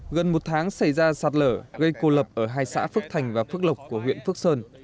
gần một tháng xảy ra sạt lở gây cô lập ở hai xã phước thành và phước lộc của huyện phước sơn